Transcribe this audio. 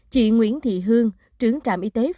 chị nguyễn thị hương trưởng trạm y tế phong